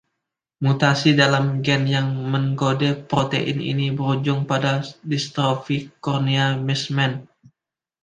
Mutasi dalam gen yang mengenkode protein ini berujung pada distrofi kornea Meesmann.